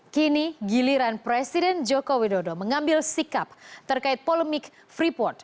kini giliran presiden joko widodo mengambil sikap terkait polemik freeport